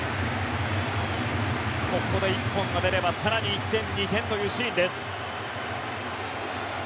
ここで一本が出れば更に１点、２点というシーンです。